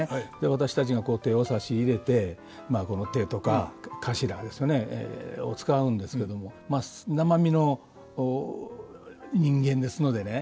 私たちが手を差し入れてまあ手とか頭ですよねを遣うんですけどもまあ生身の人間ですのでね。